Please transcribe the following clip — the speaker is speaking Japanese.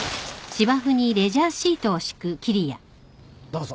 どうぞ。